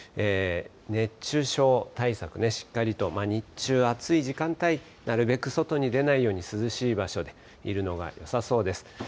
熱中症対策ね、しっかりと、日中暑い時間帯、なるべく外に出ないように、涼しい場所にいるのがよさそうです。